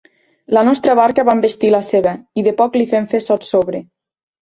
La nostra barca va envestir la seva, i de poc li fem fer sotsobre.